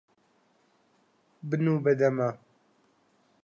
بنوو بە دەما.